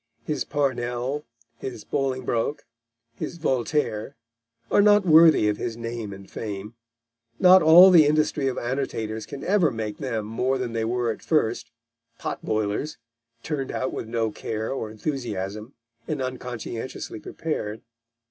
His Parnell, his Bolingbroke, his Voltaire, are not worthy of his name and fame; not all the industry of annotators can ever make them more than they were at first potboilers, turned out with no care or enthusiasm, and unconscientiously prepared.